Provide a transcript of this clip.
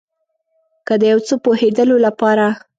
که د یو څه پوهیدلو لپاره